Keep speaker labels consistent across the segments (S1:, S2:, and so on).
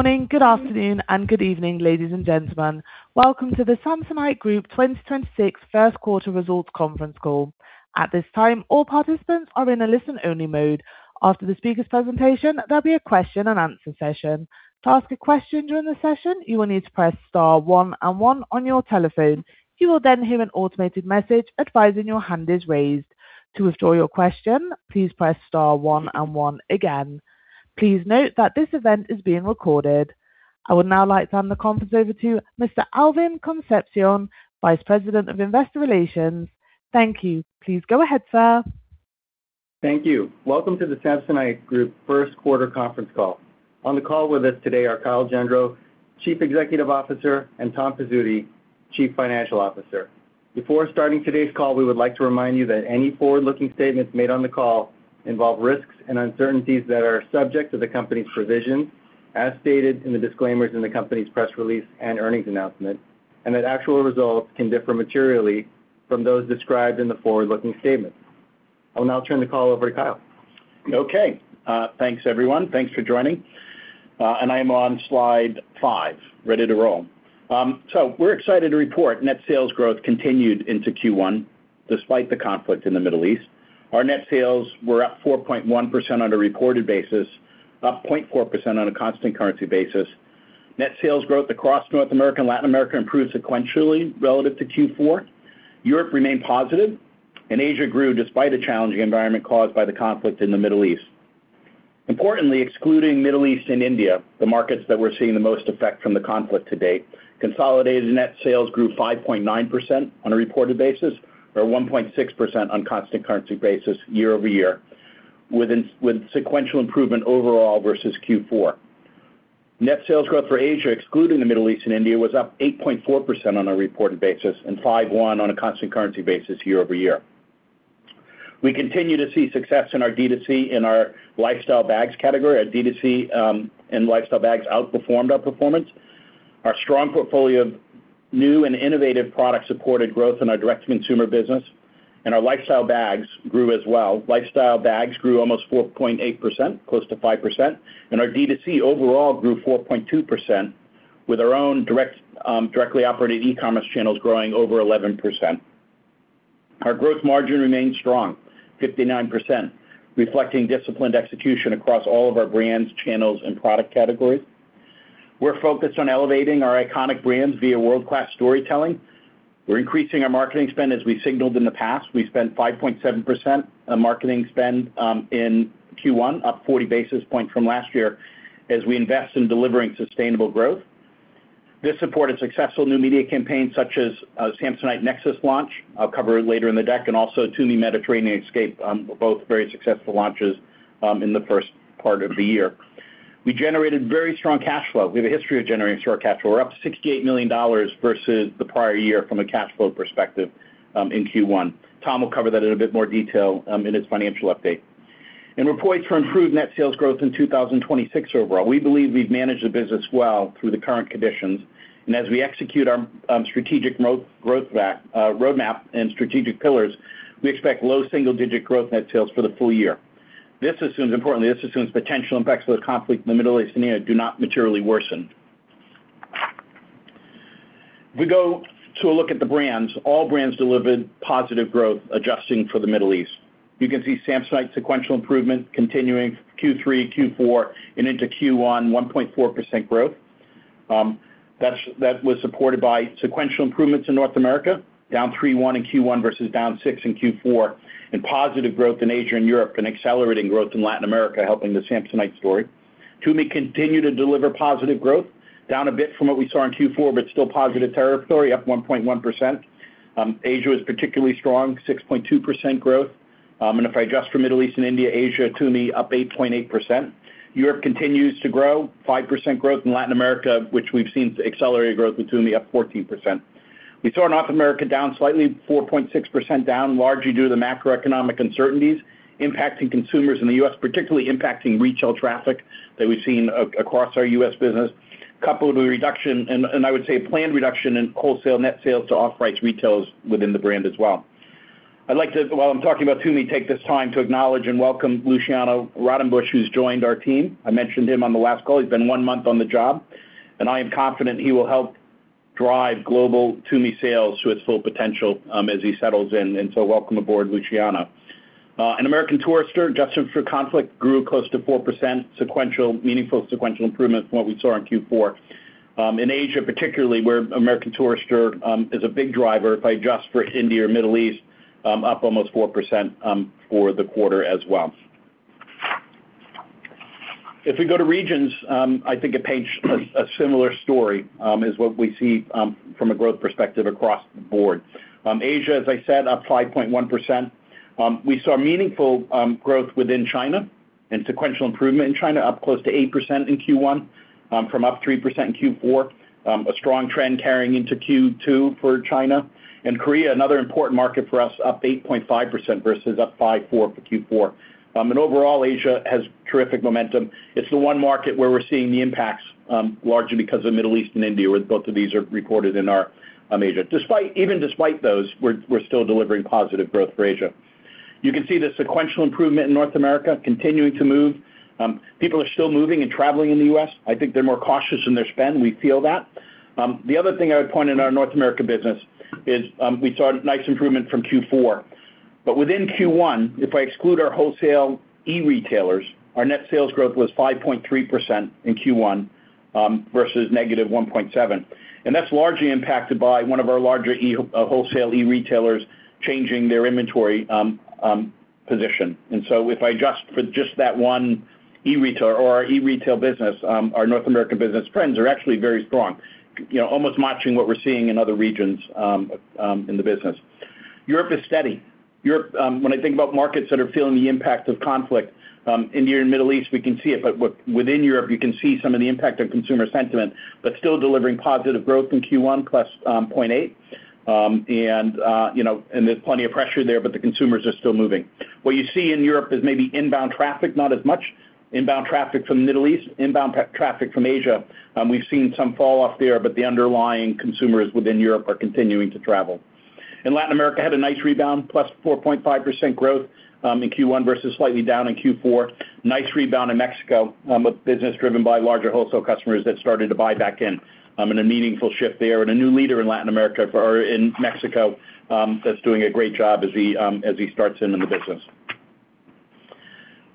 S1: Good morning, good afternoon, and good evening, ladies and gentlemen. Welcome to the Samsonite Group 2026 first quarter results conference call. At this time, all participants are in a listen-only mode. After the speaker's presentation, there'll be a question and answer session. To ask a question during the session, you will need to press star one and one on your telephone. You will then hear an automated message advising your hand is raised. To restore your question, please press star one and one again. Please note that this event is being recordedI would now like to hand the conference over to Mr. Alvin Concepcion, Vice President of Investor Relations. Thank you. Please go ahead, sir.
S2: Thank you. Welcome to the Samsonite Group first quarter conference call. On the call with us today are Kyle Gendreau, Chief Executive Officer, and Tom Pizzuti, Chief Financial Officer. Before starting today's call, we would like to remind you that any forward-looking statements made on the call involve risks and uncertainties that are subject to the company's provisions as stated in the disclaimers in the company's press release and earnings announcement, and that actual results can differ materially from those described in the forward-looking statement. I'll now turn the call over to Kyle.
S3: Okay. Thanks, everyone, thanks for joining. I am on slide five, ready to roll. We're excited to report net sales growth continued into Q1 despite the conflict in the Middle East. Our net sales were up 4.1% on a reported basis, up 0.4% on a constant currency basis. Net sales growth across North America and Latin America improved sequentially relative to Q4. Europe remained positive, Asia grew despite a challenging environment caused by the conflict in the Middle East. Importantly, excluding Middle East and India, the markets that we're seeing the most effect from the conflict to date, consolidated net sales grew 5.9% on a reported basis or 1.6% on constant currency basis year-over-year with sequential improvement overall versus Q4. Net sales growth for Asia, excluding the Middle East and India, was up 8.4% on a reported basis and 5.1% on a constant currency basis year-over-year. We continue to see success in our D2C in our lifestyle bags category as D2C and lifestyle bags outperformed our performance. Our strong portfolio of new and innovative products supported growth in our direct consumer business, and our lifestyle bags grew as well. Lifestyle bags grew almost 4.8%, close to 5%, and our D2C overall grew 4.2% with our own direct, directly operated e-commerce channels growing over 11%. Our growth margin remained strong, 59%, reflecting disciplined execution across all of our brands, channels, and product categories. We're focused on elevating our iconic brands via world-class storytelling. We're increasing our marketing spend as we signaled in the past. We spent 5.7% on marketing spend in Q1, up 40 basis points from last year as we invest in delivering sustainable growth. This supported successful new media campaigns such as Samsonite Nexis launch. Also TUMI Mediterranean Escape, both very successful launches in the first part of the year. We generated very strong cash flow. We have a history of generating strong cash flow. We're up $68 million versus the prior year from a cash flow perspective in Q1. Tom will cover that in a bit more detail in his financial update. We're poised for improved net sales growth in 2026 overall. We believe we've managed the business well through the current conditions, and as we execute our strategic growth roadmap and strategic pillars, we expect low single-digit growth net sales for the full year. This assumes, importantly, this assumes potential impacts of the conflict in the Middle East and India do not materially worsen. If we go to a look at the brands, all brands delivered positive growth adjusting for the Middle East. You can see Samsonite sequential improvement continuing Q3, Q4, and into Q1, 1.4% growth. That was supported by sequential improvements in North America, down 3.1% in Q1 versus down 6% in Q4, and positive growth in Asia and Europe and accelerating growth in Latin America helping the Samsonite story. TUMI continued to deliver positive growth, down a bit from what we saw in Q4, but still positive territory, up 1.1%. Asia was particularly strong, 6.2% growth. If I adjust for Middle East and India, Asia, TUMI up 8.8%. Europe continues to grow, 5% growth in Latin America, which we've seen accelerated growth with TUMI up 14%. We saw North America down slightly, 4.6% down, largely due to the macroeconomic uncertainties impacting consumers in the U.S., particularly impacting retail traffic that we've seen across our U.S. business, coupled with a reduction and I would say planned reduction in wholesale net sales to off-price retailers within the brand as well. I'd like to, while I'm talking about TUMI, take this time to acknowledge and welcome Luciano Rodembusch, who's joined our team. I mentioned him on the last call. He's been one month on the job. I am confident he will help drive global TUMI sales to its full potential as he settles in. Welcome aboard, Luciano. American Tourister, adjusted for conflict, grew close to 4% sequential, meaningful sequential improvement from what we saw in Q4. In Asia particularly, where American Tourister is a big driver, if I adjust for India or Middle East, up almost 4% for the quarter as well. If we go to regions, I think it paints a similar story is what we see from a growth perspective across the board. Asia, as I said, up 5.1%. We saw meaningful growth within China and sequential improvement in China, up close to 8% in Q1, from up 3% in Q4. A strong trend carrying into Q2 for China. Korea, another important market for us, up 8.5% versus up 5.4% for Q4. Overall, Asia has terrific momentum. It's the one market where we're seeing the impacts, largely because of Middle East and India, where both of these are reported in our Asia. Despite, even despite those, we're still delivering positive growth for Asia. You can see the sequential improvement in North America continuing to move. People are still moving and traveling in the U.S. I think they're more cautious in their spend, we feel that. The other thing I would point in our North America business is, we saw a nice improvement from Q4. Within Q1, if I exclude our wholesale e-retailers, our net sales growth was 5.3% in Q1 versus negative 1.7%. That's largely impacted by one of our larger wholesale e-retailers changing their inventory position, so if I adjust for just that one e-retail business, our North American business trends are actually very strong. You know, almost matching what we're seeing in other regions in the business. Europe is steady. Europe, when I think about markets that are feeling the impact of conflict, India and Middle East, we can see it. Within Europe, you can see some of the impact on consumer sentiment, but still delivering positive growth in Q1, plus 0.8. You know, there's plenty of pressure there, but the consumers are still moving. What you see in Europe is maybe inbound traffic, not as much. Inbound traffic from Middle East, inbound traffic from Asia, we've seen some falloff there, but the underlying consumers within Europe are continuing to travel. In Latin America, had a nice rebound, plus 4.5% growth in Q1 versus slightly down in Q4. Nice rebound in Mexico, a business driven by larger wholesale customers that started to buy back in, and a meaningful shift there. A new leader in Latin America or in Mexico, that's doing a great job as he starts in the business.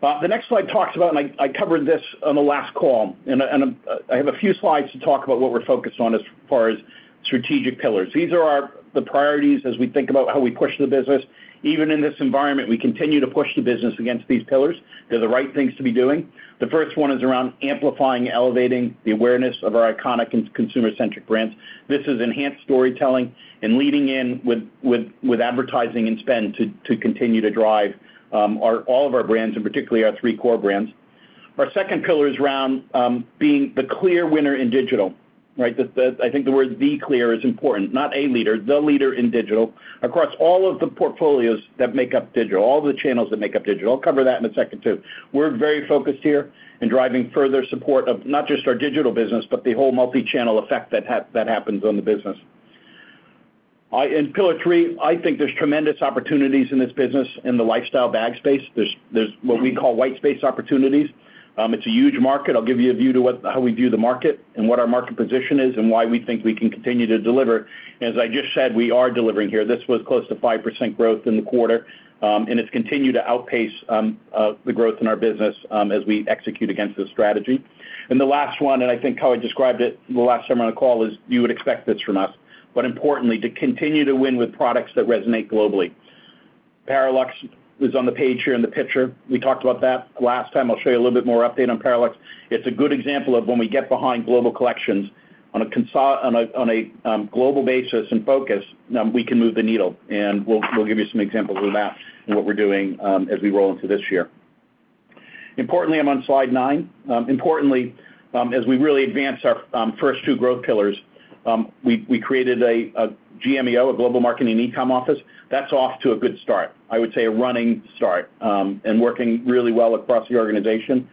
S3: The next slide talks about, I covered this on the last call, I have a few slides to talk about what we're focused on as far as strategic pillars. These are the priorities as we think about how we push the business. Even in this environment, we continue to push the business against these pillars. They're the right things to be doing. The first one is around amplifying, elevating the awareness of our iconic and consumer-centric brands. This is enhanced storytelling and leading in with advertising and spend to continue to drive all of our brands, and particularly our three core brands. Our second pillar is around being the clear winner in digital, right? The, I think the word the clear is important, not a leader, the leader in digital across all of the portfolios that make up digital, all the channels that make up digital. I'll cover that in a second, too. We're very focused here in driving further support of not just our digital business, but the whole multi-channel effect that happens on the business. In pillar 3, I think there's tremendous opportunities in this business in the lifestyle bag space. There's what we call white space opportunities. It's a huge market. I'll give you a view to how we view the market and what our market position is and why we think we can continue to deliver. As I just said, we are delivering here. This was close to 5% growth in the quarter, and it's continued to outpace the growth in our business as we execute against this strategy. The last one, and I think how I described it the last time on the call is, you would expect this from us. Importantly, to continue to win with products that resonate globally. Parallax is on the page here in the picture. We talked about that last time. I'll show you a little bit more update on Parallax. It's a good example of when we get behind global collections on a global basis and focus, we can move the needle. We'll give you some examples of that and what we're doing as we roll into this year. Importantly, I'm on slide nine. Importantly, as we really advance our first two growth pillars, we created a GMEO, a Global Marketing and E-Com office, that's off to a good start. I would say a running start and working really well across the organization.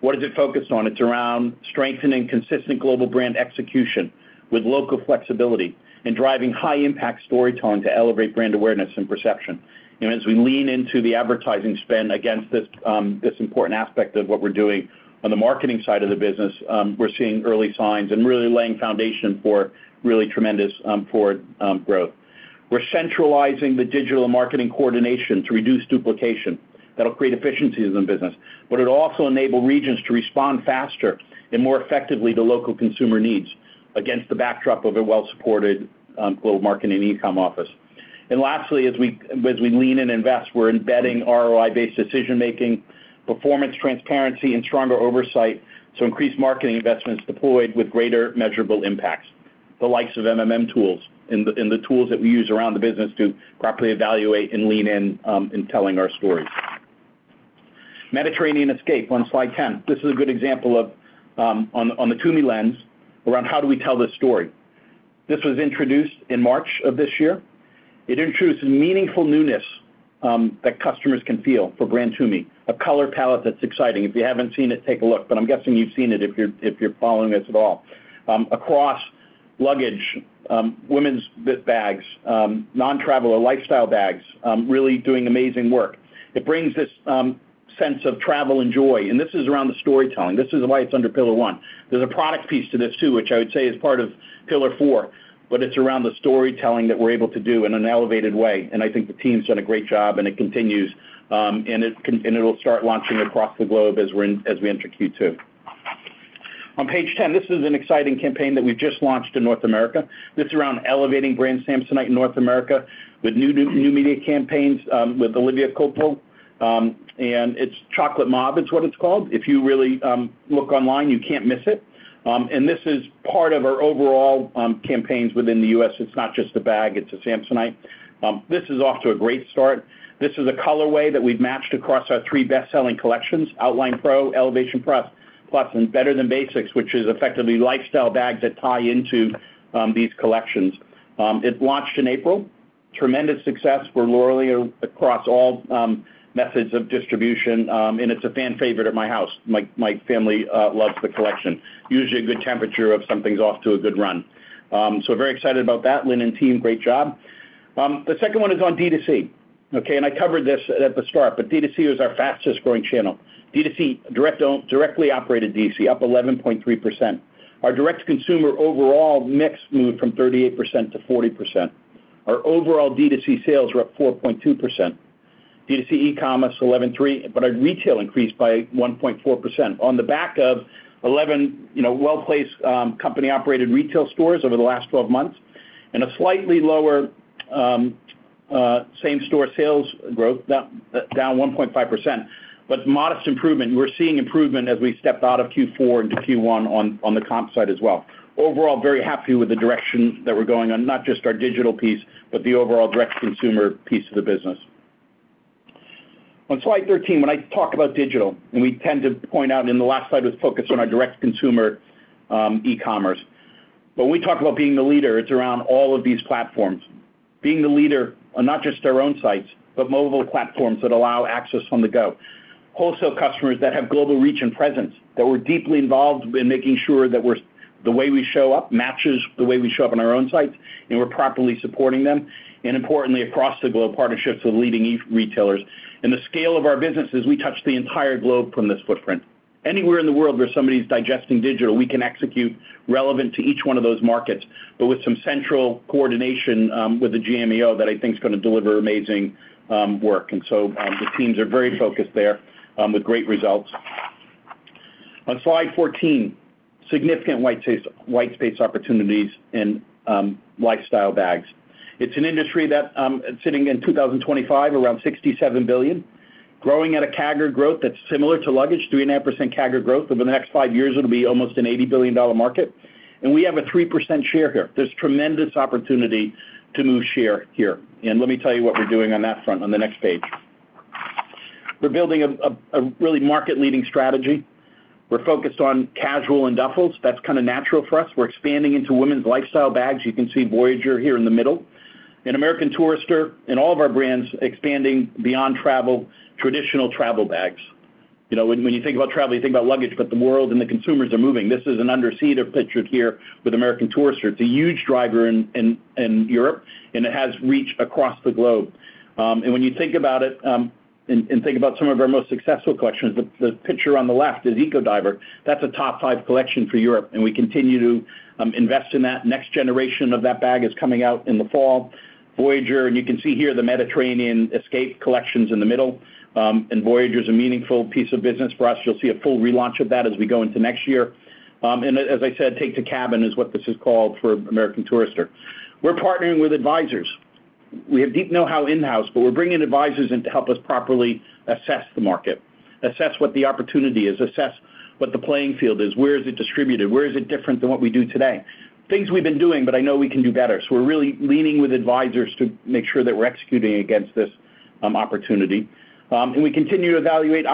S3: What is it focused on? It's around strengthening consistent global brand execution with local flexibility and driving high-impact storytelling to elevate brand awareness and perception. As we lean into the advertising spend against this important aspect of what we're doing on the marketing side of the business, we're seeing early signs and really laying foundation for really tremendous forward growth. We're centralizing the digital marketing coordination to reduce duplication. That'll create efficiencies in the business, but it'll also enable regions to respond faster and more effectively to local consumer needs against the backdrop of a well-supported Global Marketing and E-Com office. Lastly, as we, as we lean and invest, we're embedding ROI-based decision-making, performance transparency, and stronger oversight to increase marketing investments deployed with greater measurable impacts, the likes of MMM tools and the tools that we use around the business to properly evaluate and lean in in telling our stories. Mediterranean Escape on slide 10. This is a good example of on the TUMI lens around how do we tell this story. This was introduced in March of this year. It introduced meaningful newness that customers can feel for brand TUMI, a color palette that's exciting. If you haven't seen it, take a look, but I'm guessing you've seen it if you're, if you're following this at all. Across luggage, women's bags, non-travel or lifestyle bags, really doing amazing work. It brings this sense of travel and joy, this is around the storytelling. This is why it's under pillar 1. There's a product piece to this too, which I would say is part of pillar 4, but it's around the storytelling that we're able to do in an elevated way. I think the team's done a great job, it continues, and it'll start launching across the globe as we enter Q2. On page 10, this is an exciting campaign that we've just launched in North America. It's around elevating brand Samsonite in North America with new media campaigns, with Olivia Culpo. It's Chocolate Mauve is what it's called. If you really look online, you can't miss it. This is part of our overall campaigns within the U.S. It's not just a bag, it's a Samsonite. This is off to a great start. This is a colorway that we've matched across our three best-selling collections, Outline Pro, Elevation Plus, and Better Than Basics, which is effectively lifestyle bags that tie into these collections. It launched in April. Tremendous success for Lauralee across all methods of distribution, it's a fan favorite at my house. My family loves the collection. Usually a good temperature of something's off to a good run. Very excited about that. Lynn and team, great job. The second one is on D2C, okay? I covered this at the start, D2C was our fastest-growing channel. D2C, directly operated D2C, up 11.3%. Our direct consumer overall mix moved from 38% to 40%. Our overall D2C sales were up 4.2%. D2C e-commerce 11.3%, our retail increased by 1.4%. On the back of 11, you know, well-placed, company-operated retail stores over the last 12 months and a slightly lower, same-store sales growth down 1.5%. Modest improvement. We're seeing improvement as we stepped out of Q4 into Q1 on the comp side as well. Overall, very happy with the direction that we're going on, not just our digital piece, but the overall direct consumer piece of the business. On slide 13, when I talk about digital, and we tend to point out in the last slide was focused on our direct-to-consumer e-commerce. When we talk about being the leader, it's around all of these platforms. Being the leader on not just our own sites, but mobile platforms that allow access on the go. Wholesale customers that have global reach and presence, that we're deeply involved in making sure that the way we show up matches the way we show up on our own sites, and we're properly supporting them. Importantly, across the globe, partnerships with leading e-retailers. The scale of our business is we touch the entire globe from this footprint. Anywhere in the world where somebody's digesting digital, we can execute relevant to each one of those markets, but with some central coordination with the GMEO that I think is gonna deliver amazing work. The teams are very focused there with great results. On slide 14, significant white space, white space opportunities in lifestyle bags. It's an industry that, sitting in 2025 around $67 billion, growing at a CAGR growth that's similar to luggage, 3.5% CAGR growth. Over the next five years, it'll be almost an $80 billion market. We have a 3% share here. There's tremendous opportunity to move share here. Let me tell you what we're doing on that front on the next page. We're building a really market-leading strategy. We're focused on casual and duffels. That's kinda natural for us. We're expanding into women's lifestyle bags. You can see Voyageur here in the middle. American Tourister and all of our brands expanding beyond travel, traditional travel bags. You know, when you think about travel, you think about luggage, but the world and the consumers are moving. This is an underseater pictured here with American Tourister. It's a huge driver in Europe, and it has reach across the globe. And when you think about it, and think about some of our most successful collections, the picture on the left is Ecodiver. That's a top five collection for Europe, and we continue to invest in that. Next generation of that bag is coming out in the fall. Voyageur, and you can see here the Mediterranean Escape collections in the middle. Voyageur is a meaningful piece of business for us. You'll see a full relaunch of that as we go into next year. As I said, Take2Cabin is what this is called for American Tourister. We're partnering with advisors. We have deep know-how in-house, but we're bringing advisors in to help us properly assess the market, assess what the opportunity is, assess what the playing field is. Where is it distributed? Where is it different than what we do today? Things we've been doing, but I know we can do better. We're really leaning with advisors to make sure that we're executing against this opportunity. We continue to evaluate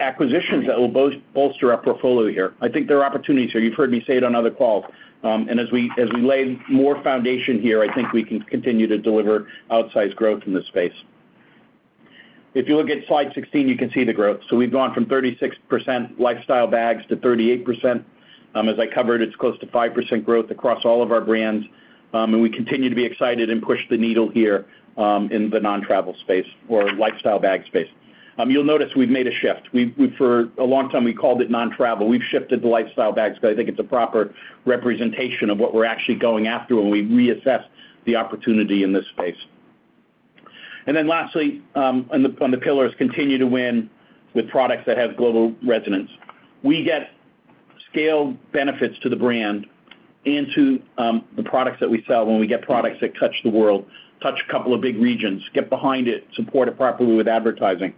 S3: acquisitions that will bolster our portfolio here. I think there are opportunities here. You've heard me say it on other calls. As we lay more foundation here, I think we can continue to deliver outsized growth in this space. If you look at slide 16, you can see the growth. We've gone from 36% lifestyle bags to 38%. As I covered, it's close to 5% growth across all of our brands. We continue to be excited and push the needle here in the non-travel space or lifestyle bag space. You'll notice we've made a shift. We've, for a long time, we called it non-travel. We've shifted to lifestyle bags because I think it's a proper representation of what we're actually going after when we reassess the opportunity in this space. Lastly, on the pillars, continue to win with products that have global resonance. We get scale benefits to the brand and to the products that we sell when we get products that touch the world, touch a couple of big regions, get behind it, support it properly with advertising.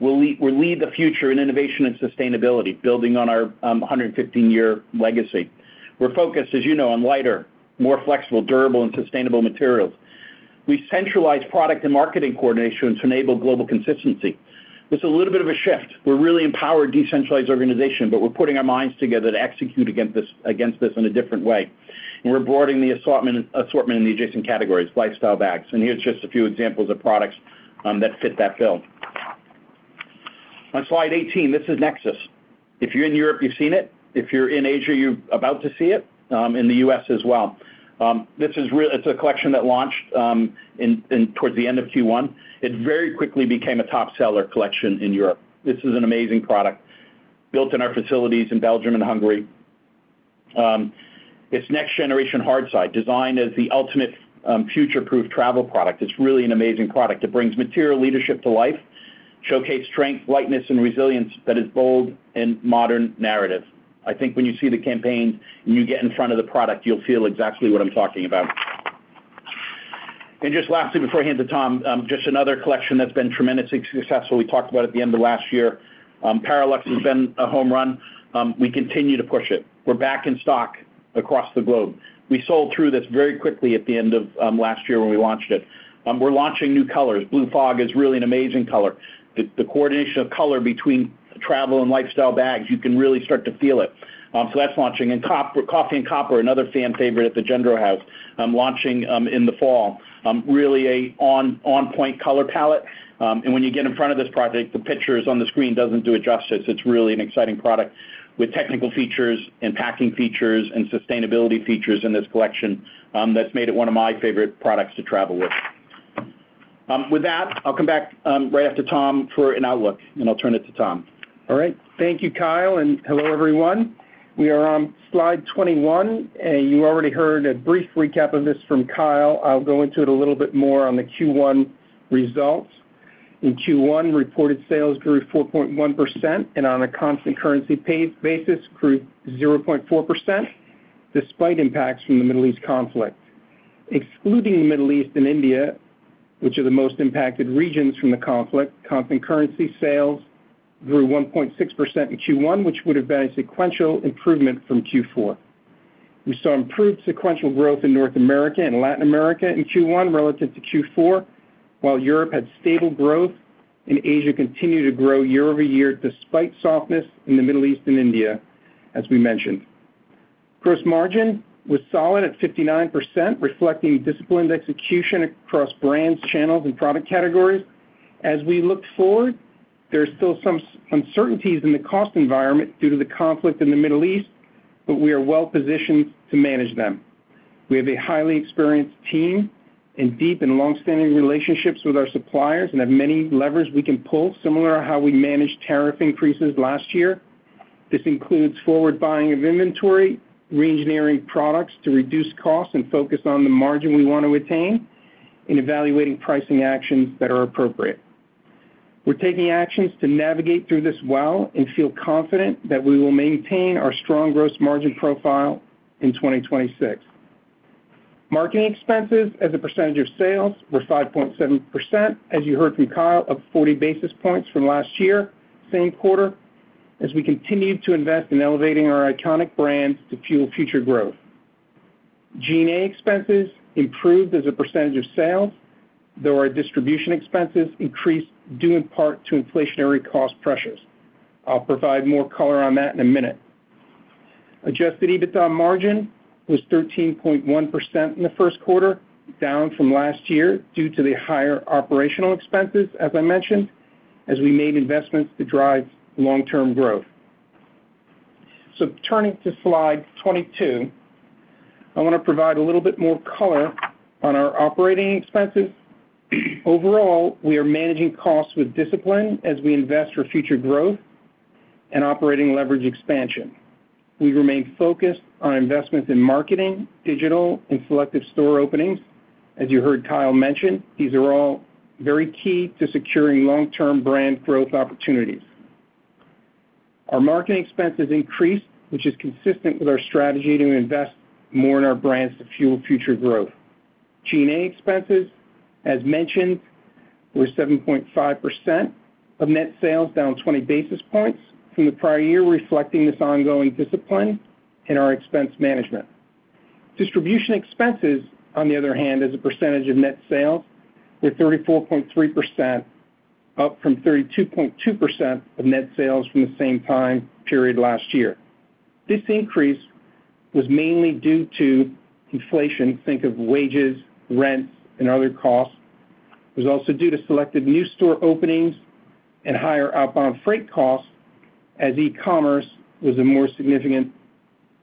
S3: We'll lead the future in innovation and sustainability, building on our 115-year legacy. We're focused, as you know, on lighter, more flexible, durable, and sustainable materials. We centralize product and marketing coordination to enable global consistency. This is a little bit of a shift. We're a really empowered, decentralized organization, but we're putting our minds together to execute against this in a different way. We're broadening the assortment in the adjacent categories, lifestyle bags. Here's just a few examples of products that fit that bill. On slide 18, this is Nexis. If you're in Europe, you've seen it. If you're in Asia, you're about to see it in the U.S. as well. It's a collection that launched towards the end of Q1. It very quickly became a top-seller collection in Europe. This is an amazing product built in our facilities in Belgium and Hungary. It's next generation hard side designed as the ultimate future-proof travel product. It's really an amazing product. It brings material leadership to life, showcase strength, lightness, and resilience that is bold and modern narrative. I think when you see the campaign and you get in front of the product, you'll feel exactly what I'm talking about. Just lastly, before I hand it to Tom, just another collection that's been tremendously successful. We talked about at the end of last year. Parallax has been a home run. We continue to push it. We're back in stock across the globe. We sold through this very quickly at the end of last year when we launched it. We're launching new colors, Blue Fog is really an amazing color. The, the coordination of color between travel and lifestyle bags, you can really start to feel it. So that's launching. Coffee and Copper, another fan favorite at the Gendreau house, launching in the fall. Really a on point color palette. When you get in front of this product, the pictures on the screen doesn't do it justice. It's really an exciting product with technical features and packing features and sustainability features in this collection, that's made it one of my favorite products to travel with. With that, I'll come back, right after Tom for an outlook, and I'll turn it to Tom.
S4: All right. Thank you, Kyle, and hello, everyone. We are on slide 21, and you already heard a brief recap of this from Kyle. I'll go into it a little bit more on the Q1 results. In Q1, reported sales grew 4.1% and on a constant currency basis, grew 0.4% despite impacts from the Middle East conflict. Excluding the Middle East and India, which are the most impacted regions from the conflict, constant currency sales grew 1.6% in Q1, which would have been a sequential improvement from Q4. We saw improved sequential growth in North America and Latin America in Q1 relative to Q4, while Europe had stable growth and Asia continued to grow year-over-year despite softness in the Middle East and India, as we mentioned. Gross margin was solid at 59%, reflecting disciplined execution across brands, channels, and product categories. As we look forward, there are still some uncertainties in the cost environment due to the conflict in the Middle East, but we are well-positioned to manage them. We have a highly experienced team and deep and long-standing relationships with our suppliers and have many levers we can pull, similar to how we managed tariff increases last year. This includes forward buying of inventory, reengineering products to reduce costs and focus on the margin we want to attain, and evaluating pricing actions that are appropriate. We're taking actions to navigate through this well and feel confident that we will maintain our strong gross margin profile in 2026. Marketing expenses as a percentage of sales were 5.7%, as you heard from Kyle, up 40 basis points from last year, same quarter, as we continued to invest in elevating our iconic brands to fuel future growth. G&A expenses improved as a percentage of sales, though our distribution expenses increased due in part to inflationary cost pressures. I'll provide more color on that in a minute. Adjusted EBITDA margin was 13.1% in the first quarter, down from last year due to the higher operational expenses, as I mentioned, as we made investments to drive long-term growth. Turning to slide 22, I wanna provide a little bit more color on our operating expenses. Overall, we are managing costs with discipline as we invest for future growth and operating leverage expansion. We remain focused on investments in marketing, digital, and selective store openings. As you heard Kyle mention, these are all very key to securing long-term brand growth opportunities. Our marketing expenses increased, which is consistent with our strategy to invest more in our brands to fuel future growth. G&A expenses as mentioned, were 7.5% of net sales, down 20 basis points from the prior year, reflecting this ongoing discipline in our expense management. Distribution expenses, on the other hand, as a percentage of net sales were 34.3%, up from 32.2% of net sales from the same time period last year. This increase was mainly due to inflation. Think of wages, rents, and other costs. It was also due to selected new store openings and higher outbound freight costs as e-commerce was a more significant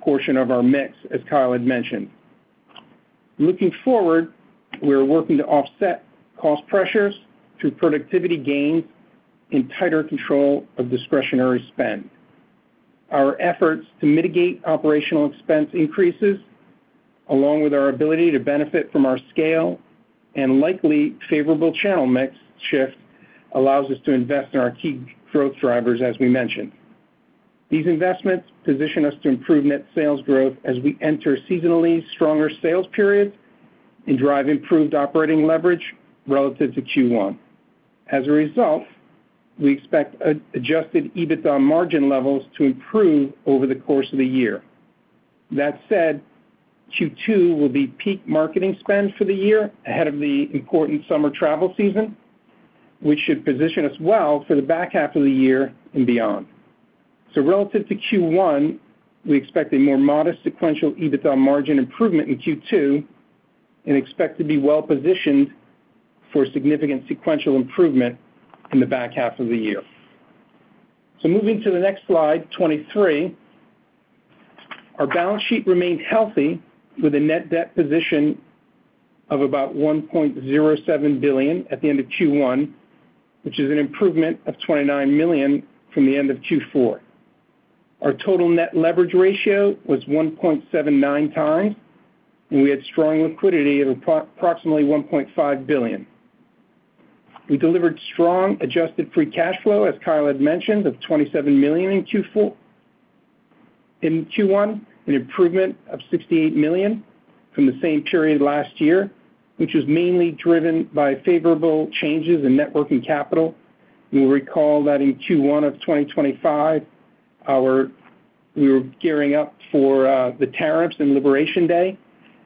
S4: portion of our mix, as Kyle had mentioned. Looking forward, we are working to offset cost pressures through productivity gains and tighter control of discretionary spend. Our efforts to mitigate operational expense increases, along with our ability to benefit from our scale and likely favorable channel mix shift, allows us to invest in our key growth drivers, as we mentioned. These investments position us to improve net sales growth as we enter seasonally stronger sales periods and drive improved operating leverage relative to Q1. As a result, we expect adjusted EBITDA margin levels to improve over the course of the year. That said, Q2 will be peak marketing spend for the year ahead of the important summer travel season, which should position us well for the back half of the year and beyond. Relative to Q1, we expect a more modest sequential EBITDA margin improvement in Q2 and expect to be well-positioned for significant sequential improvement in the back half of the year. Moving to the next slide, 23. Our balance sheet remained healthy with a net debt position of about $1.07 billion at the end of Q1, which is an improvement of $29 million from the end of Q4. Our total net leverage ratio was 1.79 times, and we had strong liquidity of approximately $1.5 billion. We delivered strong adjusted free cash flow, as Kyle had mentioned, of $27 million in Q1, an improvement of $68 million from the same period last year, which was mainly driven by favorable changes in net working capital. You'll recall that in Q1 of 2025, we were gearing up for the tariffs and Liberation Day,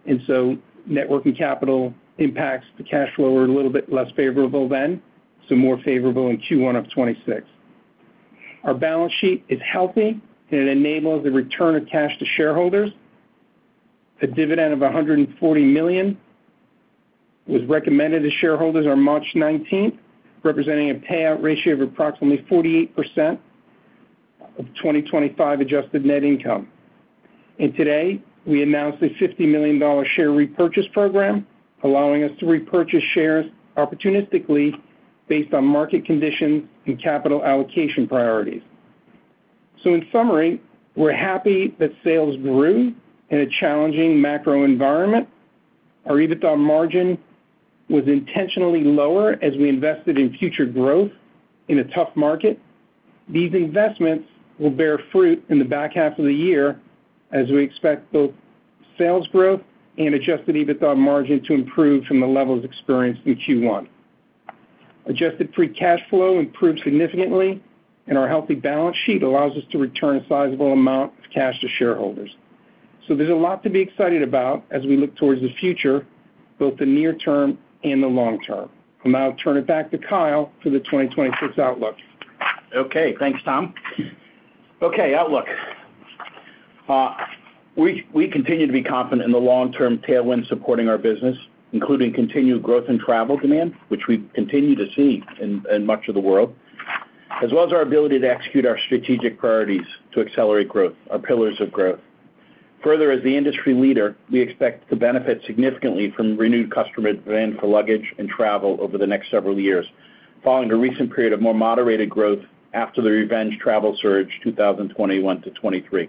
S4: and so net working capital impacts the cash flow were a little bit less favorable then, so more favorable in Q1 of 2026. Our balance sheet is healthy, and it enables a return of cash to shareholders. A dividend of $140 million was recommended to shareholders on March 19th, representing a payout ratio of approximately 48% of 2025 adjusted net income. Today, we announced a $50 million share repurchase program, allowing us to repurchase shares opportunistically based on market conditions and capital allocation priorities. In summary, we're happy that sales grew in a challenging macro environment. Our EBITDA margin was intentionally lower as we invested in future growth in a tough market. These investments will bear fruit in the back half of the year as we expect both sales growth and adjusted EBITDA margin to improve from the levels experienced in Q1. Adjusted free cash flow improved significantly, and our healthy balance sheet allows us to return a sizable amount of cash to shareholders. There's a lot to be excited about as we look towards the future, both the near term and the long term. I'll now turn it back to Kyle for the 2026 outlook.
S3: Thanks, Tom. Ok, outlook. We continue to be confident in the long-term tailwind supporting our business, including continued growth in travel demand, which we continue to see in much of the world, as well as our ability to execute our strategic priorities to accelerate growth, our pillars of growth. As the industry leader, we expect to benefit significantly from renewed customer demand for luggage and travel over the next several years, following a recent period of more moderated growth after the revenge travel surge, 2021-2023.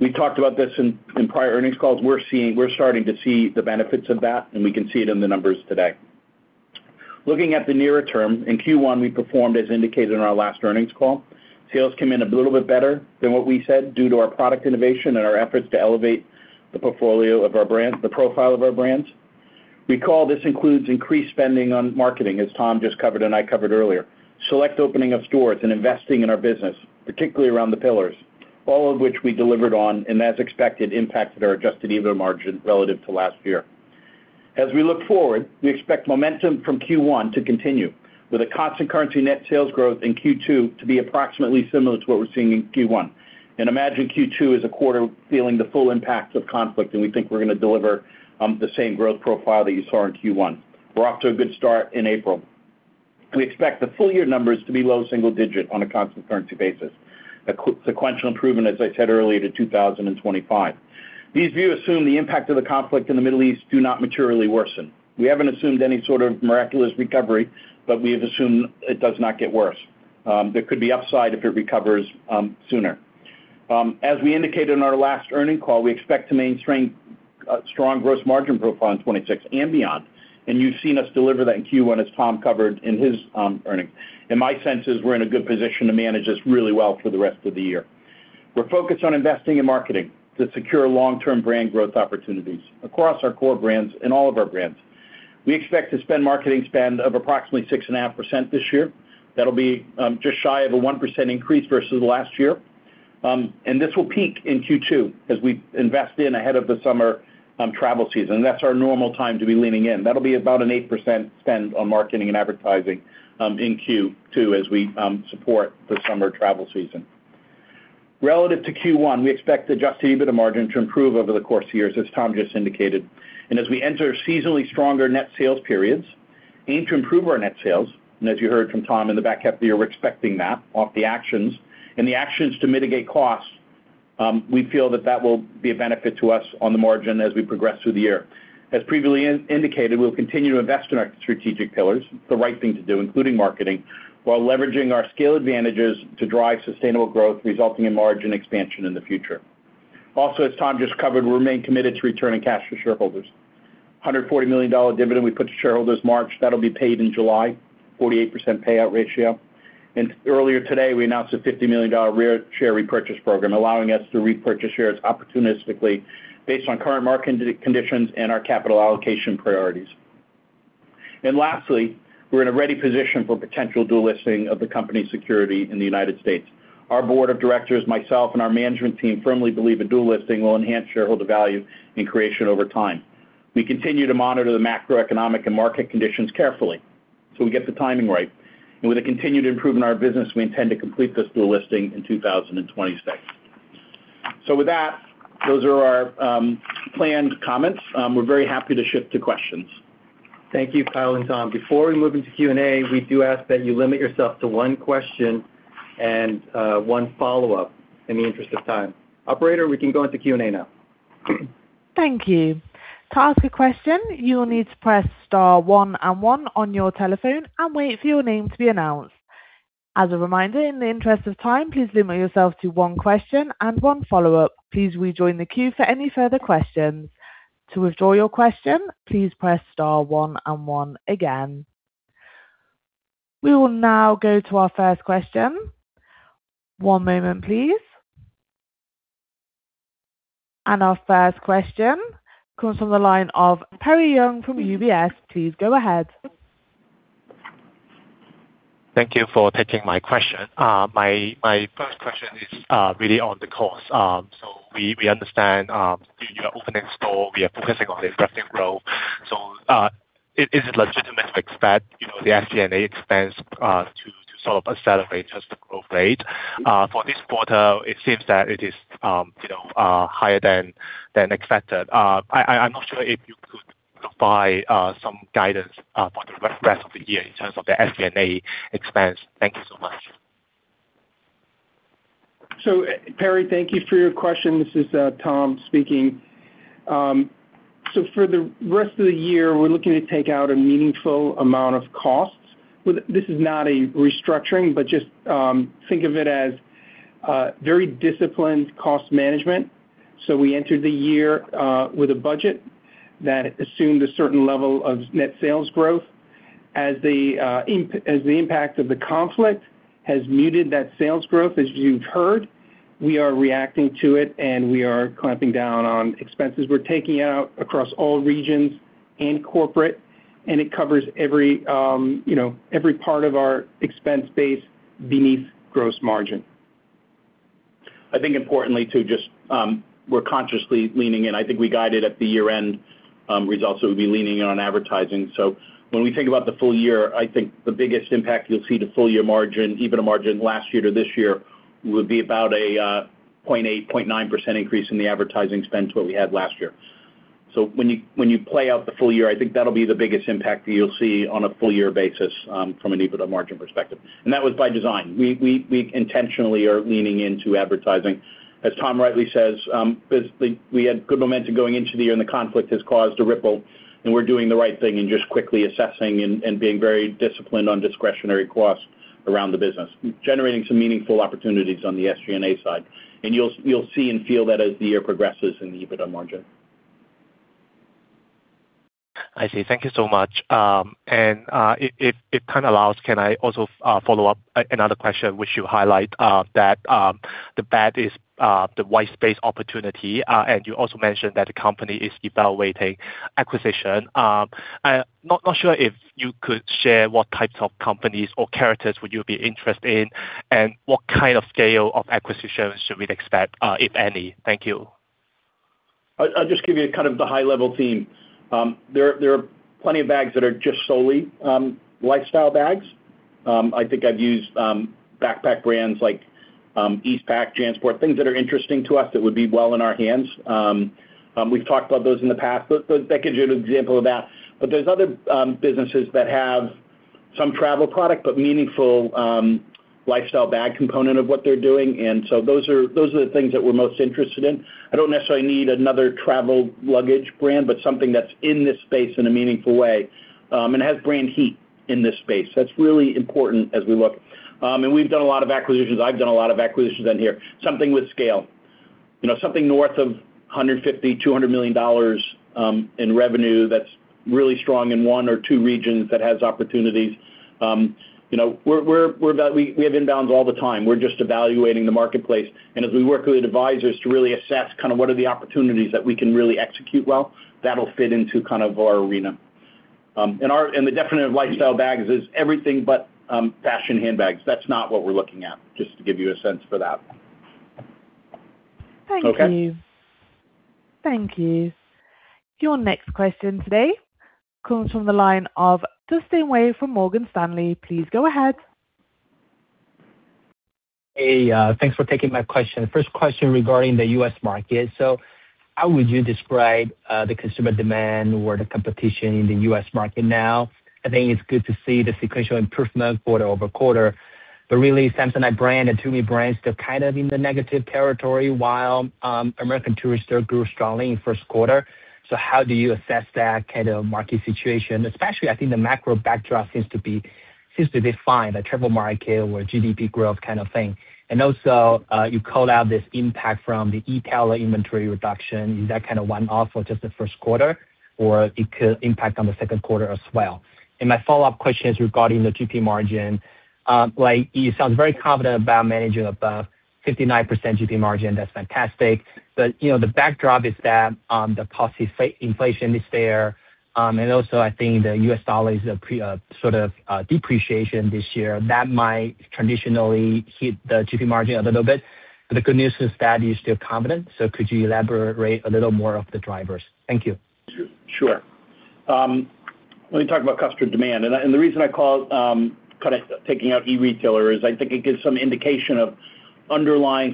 S3: We talked about this in prior earnings calls. We're starting to see the benefits of that, and we can see it in the numbers today. Looking at the nearer term, in Q1, we performed as indicated in our last earnings call. Sales came in a little bit better than what we said due to our product innovation and our efforts to elevate the portfolio of our brands-- the profile of our brands. Recall, this includes increased spending on marketing, as Tom just covered and I covered earlier. Select opening of stores and investing in our business, particularly around the pillars, all of which we delivered on and as expected, impacted our adjusted EBITDA margin relative to last year. As we look forward, we expect momentum from Q1 to continue with a constant currency net sales growth in Q2 to be approximately similar to what we're seeing in Q1. Imagine Q2 is a quarter feeling the full impact of conflict, and we think we're gonna deliver the same growth profile that you saw in Q1. We're off to a good start in April. We expect the full year numbers to be low single digit on a constant currency basis. A sequential improvement, as I said earlier, to 2025. These views assume the impact of the conflict in the Middle East do not materially worsen. We haven't assumed any sort of miraculous recovery, but we have assumed it does not get worse. There could be upside if it recovers sooner. As we indicated in our last earning call, we expect to maintain strong gross margin profile in 26 and beyond. You've seen us deliver that in Q1 as Tom covered in his earnings. My sense is we're in a good position to manage this really well for the rest of the year. We're focused on investing in marketing to secure long-term brand growth opportunities across our core brands and all of our brands. We expect to spend marketing spend of approximately 6.5% this year. That'll be just shy of a 1% increase versus last year, and this will peak in Q2 as we invest in ahead of the summer travel season. That's our normal time to be leaning in. That'll be about an 8% spend on marketing and advertising in Q2 as we support the summer travel season. Relative to Q1, we expect adjusted EBITDA margin to improve over the course of the years, as Tom just indicated. As we enter seasonally stronger net sales periods, aim to improve our net sales, and as you heard from Tom, in the back half of the year, we're expecting that off the actions. The actions to mitigate costs, we feel that that will be a benefit to us on the margin as we progress through the year. As previously indicated, we'll continue to invest in our strategic pillars, the right thing to do, including marketing, while leveraging our scale advantages to drive sustainable growth resulting in margin expansion in the future. As Tom just covered, we remain committed to returning cash to shareholders. $140 million dividend we put to shareholders March, that'll be paid in July, 48% payout ratio. Earlier today, we announced a $50 million share repurchase program, allowing us to repurchase shares opportunistically based on current market conditions and our capital allocation priorities. Lastly, we're in a ready position for potential delisting of the company security in the U.S. Our board of directors, myself, and our management team firmly believe a delisting will enhance shareholder value and creation over time. We continue to monitor the macroeconomic and market conditions carefully, so we get the timing right. With a continued improvement in our business, we intend to complete this delisting in 2026. With that, those are our planned comments. We're very happy to shift to questions.
S2: Thank you, Kyle and Tom. Before we move into Q&A, we do ask that you limit yourself to 1 question and 1 follow-up in the interest of time. Operator, we can go into Q&A now.
S1: Thank you. To ask a question, you will need to press star one and one on your telephone and wait for your name to be announced. As a reminder, in the interest of time, please limit yourself to one question and one follow-up. Please rejoin the queue for any further questions. To withdraw your question, please press star one and one again. We will now go to our first question. One moment, please. Our first question comes from the line of Perry Yeung from UBS. Please go ahead.
S5: Thank you for taking my question. My first question is really on the course. We understand you are opening store. We are focusing on investing growth. Is it legitimate to expect, you know, the SG&A expense to sort of accelerate as the growth rate? For this quarter, it seems that it is, you know, higher than expected. I'm not sure if you could some guidance for the rest of the year in terms of the SG&A expense. Thank you so much.
S4: Perry, thank you for your question. This is Tom speaking. For the rest of the year, we're looking to take out a meaningful amount of costs. This is not a restructuring, but just think of it as very disciplined cost management. We entered the year with a budget that assumed a certain level of net sales growth. As the impact of the conflict has muted that sales growth, as you've heard, we are reacting to it, and we are clamping down on expenses. We're taking out across all regions and corporate, and it covers every, you know, every part of our expense base beneath gross margin.
S3: I think importantly too, just, we're consciously leaning in. I think we guided at the year-end results that we'd be leaning in on advertising. When we think about the full year, I think the biggest impact you'll see to full-year margin, EBITDA margin last year to this year, would be about a 0.8%, 0.9% increase in the advertising spend to what we had last year. When you play out the full year, I think that'll be the biggest impact that you'll see on a full-year basis from an EBITDA margin perspective, and that was by design. We intentionally are leaning into advertising. As Tom rightly says, we had good momentum going into the year, and the conflict has caused a ripple, and we're doing the right thing and just quickly assessing and being very disciplined on discretionary costs around the business. Generating some meaningful opportunities on the SG&A side, and you'll see and feel that as the year progresses in the EBITDA margin.
S5: I see. Thank you so much. If time allows, can I also follow up another question which you highlight that the bag is the white space opportunity, and you also mentioned that the company is evaluating acquisition. Not sure if you could share what types of companies or characters would you be interested in, and what kind of scale of acquisitions should we expect, if any? Thank you.
S3: I'll just give you kind of the high-level theme. There are plenty of bags that are just solely lifestyle bags. I think I've used backpack brands like Eastpak, JanSport, things that are interesting to us that would be well in our hands. We've talked about those in the past. That gives you an example of that. There's other businesses that have some travel product, but meaningful lifestyle bag component of what they're doing. Those are the things that we're most interested in. I don't necessarily need another travel luggage brand, but something that's in this space in a meaningful way and has brand heat in this space. That's really important as we look. We've done a lot of acquisitions. I've done a lot of acquisitions in here. Something with scale. You know, something north of $150 million-$200 million in revenue that's really strong in one or two regions that has opportunities. You know, we have inbounds all the time. We're just evaluating the marketplace. As we work with advisors to really assess kind of what are the opportunities that we can really execute well, that'll fit into kind of our arena. The definition of lifestyle bags is everything but fashion handbags. That's not what we're looking at, just to give you a sense for that.
S1: Thank you.
S5: Okay.
S1: Thank you. Your next question today comes from the line of Dustin Wei from Morgan Stanley. Please go ahead.
S6: Hey. Thanks for taking my question. First question regarding the U.S. market. How would you describe the consumer demand or the competition in the U.S. market now? I think it's good to see the sequential improvement quarter-over-quarter, but really, Samsonite and TUMI brands, still kind of in the negative territory while American Tourister grew strongly in first quarter. How do you assess that kind of market situation? Especially, I think the macro backdrop seems to be fine, the travel market or GDP growth kind of thing. You called out this impact from the e-tailer inventory reduction. Is that kind of one-off or just the first quarter, or it could impact on the second quarter as well? My follow-up question is regarding the GP margin. Like, you sound very confident about managing above 59% GP margin. That's fantastic. You know, the backdrop is that the cost inflation is there, and also I think the U.S. dollar is a sort of depreciation this year. That might traditionally hit the GP margin a little bit. The good news is that you're still confident, could you elaborate a little more of the drivers? Thank you.
S3: Sure. Let me talk about customer demand. The reason I call, kinda taking out e-retailer is I think it gives some indication of underlying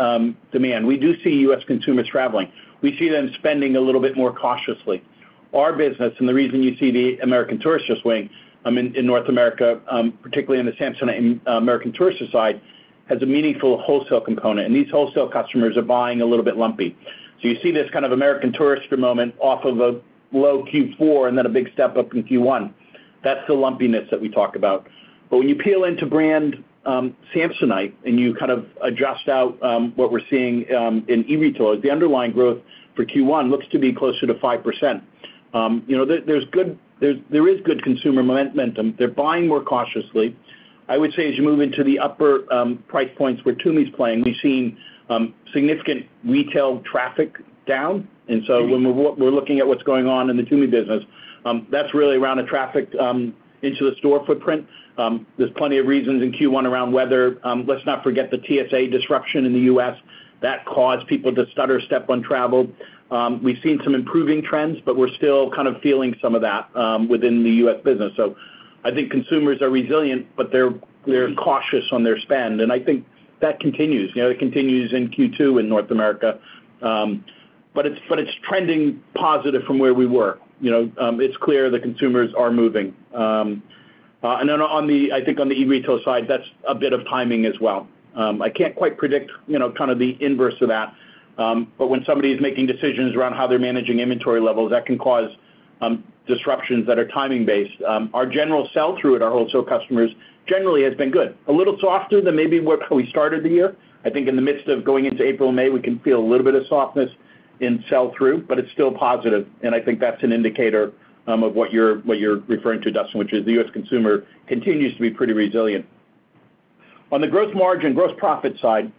S3: kinda demand. We do see U.S. consumers traveling. We see them spending a little bit more cautiously. Our business, the reason you see the American Tourister swing in North America, particularly in the Samsonite and American Tourister side, has a meaningful wholesale component, and these wholesale customers are buying a little bit lumpy. You see this kind of American Tourister moment off of a low Q4 and then a big step-up in Q1. That's the lumpiness that we talk about. When you peel into brand Samsonite and you kind of adjust out what we're seeing in e-retailers, the underlying growth for Q1 looks to be closer to 5%. You know, there's good There is good consumer momentum. They're buying more cautiously. I would say as you move into the upper price points where TUMI's playing, we've seen significant retail traffic down. When we're looking at what's going on in the TUMI business, that's really around the traffic into the store footprint. There's plenty of reasons in Q1 around weather. Let's not forget the TSA disruption in the U.S. That caused people to stutter step on travel. We've seen some improving trends, but we're still kind of feeling some of that within the U.S. business. I think consumers are resilient, but they're cautious on their spend. I think that continues, you know, it continues in Q2 in North America. But it's trending positive from where we were. You know, it's clear the consumers are moving. I think on the e-retail side, that's a bit of timing as well. I can't quite predict, you know, kinda the inverse of that. When somebody is making decisions around how they're managing inventory levels, that can cause disruptions that are timing based. Our general sell-through at our wholesale customers generally has been good. A little softer than maybe what we started the year. I think in the midst of going into April/May, we can feel a little bit of softness in sell-through, but it's still positive, and I think that's an indicator of what you're, what you're referring to, Dustin, which is the U.S. consumer continues to be pretty resilient. On the growth margin, gross profit side,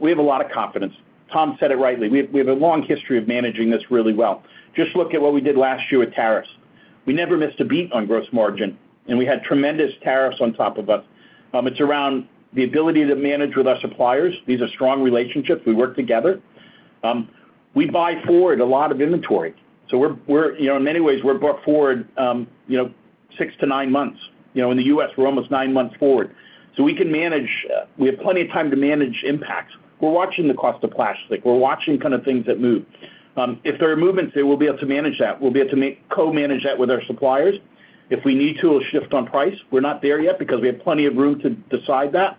S3: we have a lot of confidence. Tom said it rightly. We have a long history of managing this really well. Just look at what we did last year with tariffs. We never missed a beat on growth margin, and we had tremendous tariffs on top of us. It's around the ability to manage with our suppliers. These are strong relationships. We work together. We buy forward a lot of inventory. We're, you know, in many ways, we're bought forward, you know, six-nine months. You know, in the U.S., we're almost nine months forward. We have plenty of time to manage impacts. We're watching the cost of plastic. We're watching kinda things that move. If there are movements there, we'll be able to manage that. We'll be able to co-manage that with our suppliers. If we need to, we'll shift on price. We're not there yet because we have plenty of room to decide that.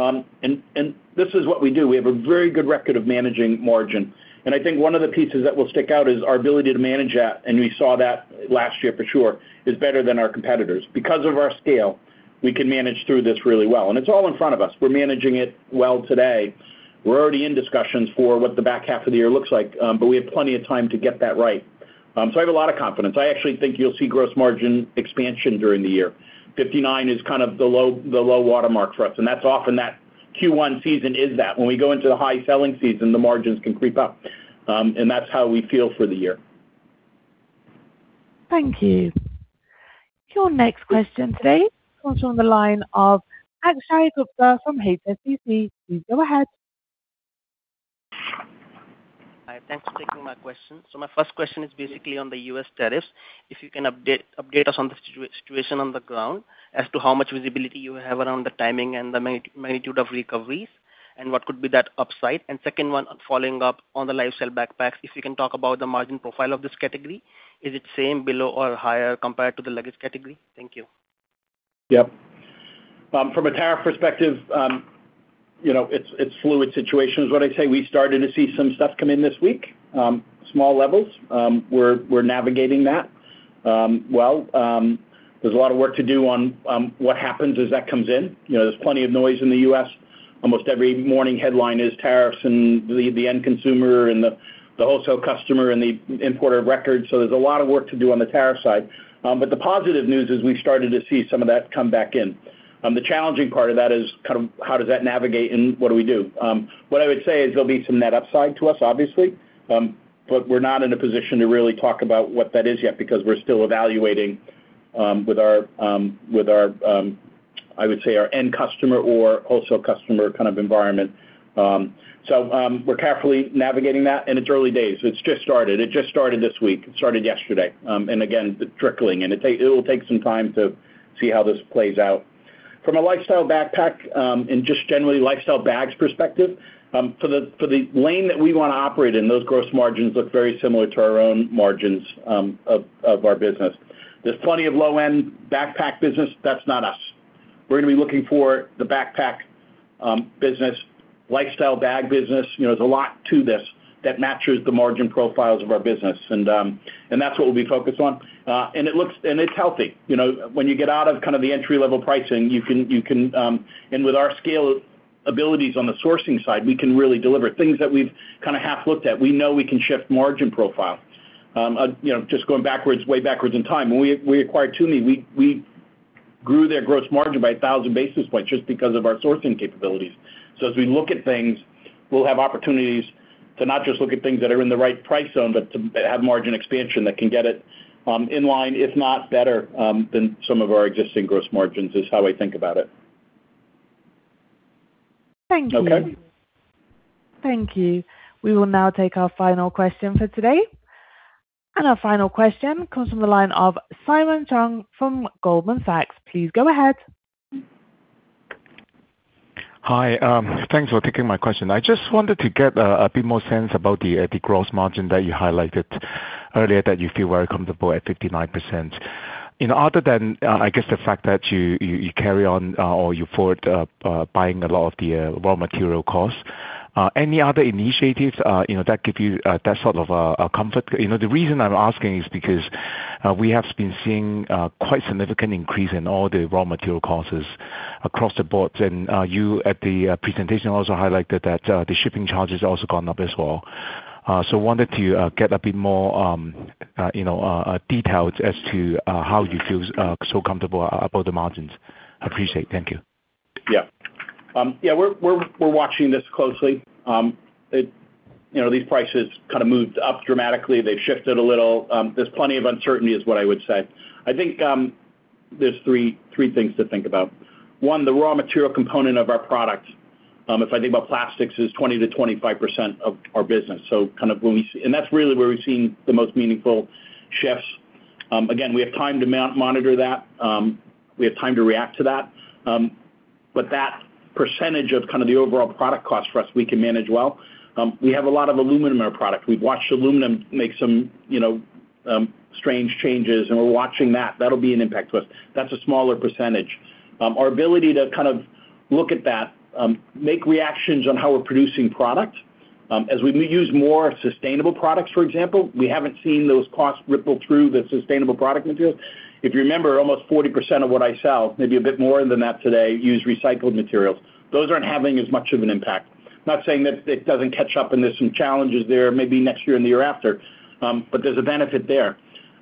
S3: This is what we do. We have a very good record of managing margin. I think one of the pieces that will stick out is our ability to manage that, and we saw that last year for sure, is better than our competitors. Because of our scale, we can manage through this really well. It's all in front of us. We're managing it well today. We're already in discussions for what the back half of the year looks like, but we have plenty of time to get that right. I have a lot of confidence. I actually think you'll see gross margin expansion during the year. 59 is kind of the low, the low watermark for us, and that's often that Q1 season is that. When we go into the high selling season, the margins can creep up. That's how we feel for the year.
S1: Thank you. Your next question today comes from the line of Akshay Gupta from HSBC. Please go ahead.
S7: Hi. Thanks for taking my question. My first question is basically on the U.S. tariffs. If you can update us on the situation on the ground as to how much visibility you have around the timing and the magnitude of recoveries and what could be that upside. Second one, following up on the lifestyle backpacks, if you can talk about the margin profile of this category. Is it same, below or higher compared to the luggage category? Thank you.
S3: Yep. From a tariff perspective, you know, it's fluid situation is what I'd say. We started to see some stuff come in this week. Small levels. We're navigating that. Well, there's a lot of work to do on what happens as that comes in. You know, there's plenty of noise in the U.S. Almost every morning headline is tariffs and the end consumer and the wholesale customer and the importer of record. There's a lot of work to do on the tariff side. The positive news is we've started to see some of that come back in. The challenging part of that is kind of how does that navigate and what do we do? What I would say is there'll be some net upside to us, obviously. We're not in a position to really talk about what that is yet because we're still evaluating with our, I would say our end customer or wholesale customer kind of environment. We're carefully navigating that, and it's early days. It's just started. It just started this week. It started yesterday. Again, it's trickling, and it'll take some time to see how this plays out. From a lifestyle backpack, and just generally lifestyle bags perspective, for the lane that we wanna operate in, those gross margins look very similar to our own margins of our business. There's plenty of low-end backpack business. That's not us. We're gonna be looking for the backpack business, lifestyle bag business. You know, there's a lot to this that matches the margin profiles of our business. That's what we'll be focused on. It's healthy. You know, when you get out of kind of the entry-level pricing, you can, with our scale abilities on the sourcing side, we can really deliver things that we've kind of half looked at. We know we can shift margin profile. You know, just going backwards, way backwards in time. When we acquired TUMI, we grew their gross margin by 1,000 basis points just because of our sourcing capabilities. As we look at things, we'll have opportunities to not just look at things that are in the right price zone, but to have margin expansion that can get it, in line, if not better, than some of our existing gross margins, is how I think about it.
S1: Thank you.
S7: Okay.
S1: Thank you. We will now take our final question for today. Our final question comes from the line of Simon Cheung from Goldman Sachs. Please go ahead.
S8: Hi. Thanks for taking my question. I just wanted to get a bit more sense about the gross margin that you highlighted earlier that you feel very comfortable at 59%. You know, other than, I guess the fact that you carry on, or you forward, buying a lot of the raw material costs, any other initiatives, you know, that give you that sort of comfort? You know, the reason I'm asking is because we have been seeing quite significant increase in all the raw material costs across the board. You at the presentation also highlighted that the shipping charges also gone up as well. Wanted to get a bit more, you know, details as to how you feel so comfortable about the margins. Appreciate it. Thank you.
S3: Yeah, we're watching this closely. You know, these prices kind of moved up dramatically. They've shifted a little. There's plenty of uncertainty is what I would say. I think, there's three things to think about. One, the raw material component of our product. If I think about plastics is 20%-25% of our business. That's really where we've seen the most meaningful shifts. Again, we have time to monitor that. We have time to react to that. That percentage of kind of the overall product cost for us, we can manage well. We have a lot of aluminum in our product. We've watched aluminum make some, you know, strange changes, and we're watching that. That'll be an impact to us. That's a smaller percentage. Our ability to kind of look at that, make reactions on how we're producing product, as we use more sustainable products, for example, we haven't seen those costs ripple through the sustainable product materials. If you remember, almost 40% of what I sell, maybe a bit more than that today, use recycled materials. Those aren't having as much of an impact. Not saying that it doesn't catch up, and there's some challenges there, maybe next year and the year after, but there's a benefit there.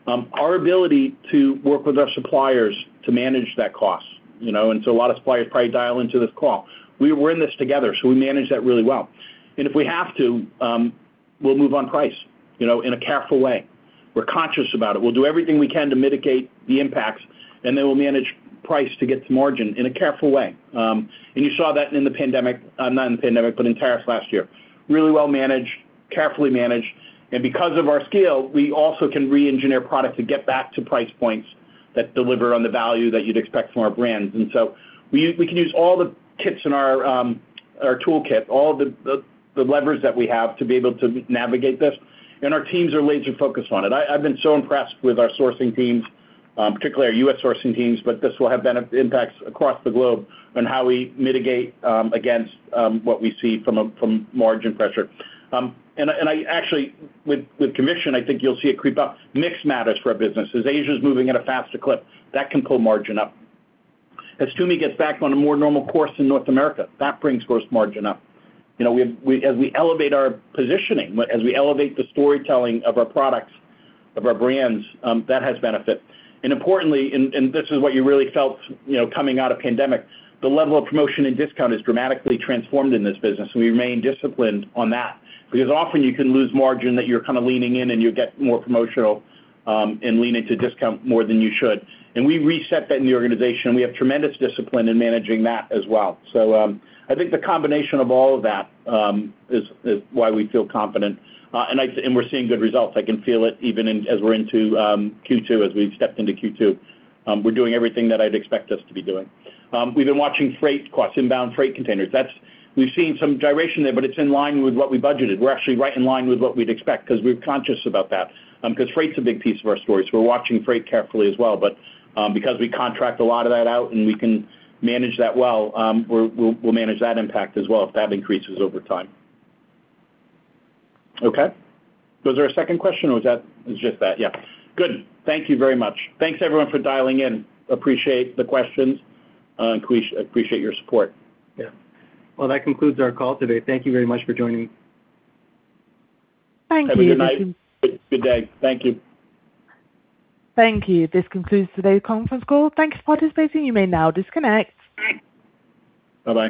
S3: Our ability to work with our suppliers to manage that cost, you know, a lot of suppliers probably dial into this call. We're in this together, so we manage that really well. If we have to, we'll move on price, you know, in a careful way. We're conscious about it. We'll do everything we can to mitigate the impacts, then we'll manage price to get some margin in a careful way. You saw that in the pandemic, not in the pandemic, but in tariffs last year. Really well managed, carefully managed. Because of our scale, we also can re-engineer product to get back to price points that deliver on the value that you'd expect from our brands. We can use all the kits in our toolkit, all the levers that we have to be able to navigate this. Our teams are laser-focused on it. I've been so impressed with our sourcing teams, particularly our U.S. sourcing teams, but this will have impacts across the globe on how we mitigate against what we see from a, from margin pressure. I actually, with commission, I think you'll see it creep up. Mix matters for our business. As Asia's moving at a faster clip, that can pull margin up. As TUMI gets back on a more normal course in North America, that brings gross margin up. You know, as we elevate our positioning, as we elevate the storytelling of our products, of our brands, that has benefit. Importantly, this is what you really felt, you know, coming out of pandemic, the level of promotion and discount is dramatically transformed in this business. We remain disciplined on that because often you can lose margin that you're kind of leaning in, and you get more promotional, and lean into discount more than you should. We reset that in the organization. We have tremendous discipline in managing that as well. I think the combination of all of that is why we feel confident, and we're seeing good results. I can feel it even as we're into Q2, as we've stepped into Q2. We're doing everything that I'd expect us to be doing. We've been watching freight costs, inbound freight containers. We've seen some gyration there, but it's in line with what we budgeted. We're actually right in line with what we'd expect because we're conscious about that, 'cause freight's a big piece of our story, so we're watching freight carefully as well. Because we contract a lot of that out, and we can manage that well, we'll manage that impact as well if that increases over time. Okay. Was there a second question, or was that? It was just that. Yeah, good. Thank you very much. Thanks everyone for dialing in. Appreciate the questions. Appreciate your support.
S2: Yeah. Well, that concludes our call today. Thank you very much for joining.
S1: Thank you.
S3: Have a good night. Good day. Thank you.
S1: Thank you. This concludes today's conference call. Thank you for participating, you may now disconnect.
S3: Bye-bye.